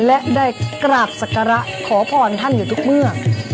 และได้กราบศักระขอพรท่านอยู่ทุกเมื่อ